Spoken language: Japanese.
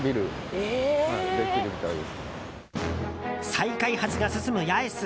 再開発が進む八重洲。